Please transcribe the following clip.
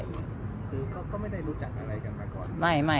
คือเขาก็ไม่ได้รู้จักอะไรกันมาก่อน